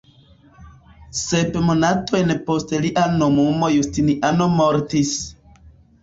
Sep monatojn post lia nomumo Justiniano mortis.